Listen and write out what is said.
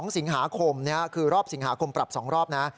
๒สิงหาคมคือรอบสิงหาคมปรับ๒รอบนะ